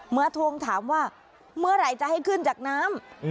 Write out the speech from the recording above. ทวงถามว่าเมื่อไหร่จะให้ขึ้นจากน้ำ